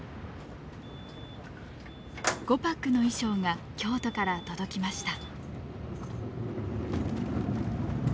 「ゴパック」の衣装が京都から届きました。